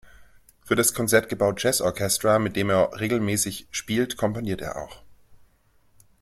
Für das „Concertgebouw Jazz Orchestra“, mit denen er regelmäßig spielt, komponiert er auch.